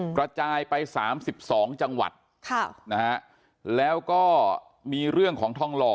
กระจายไป๓๒จังหวัดแล้วก็มีเรื่องของทองหล่อ